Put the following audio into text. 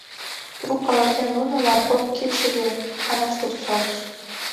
Трук ала-кӧ нунылан кок кидшыге иканаште рӱзалтыш.